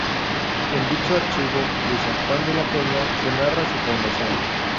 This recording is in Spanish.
En dicho archivo de San Juan de la Peña se narra su fundación.